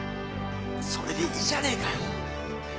それでいいじゃねえかよ！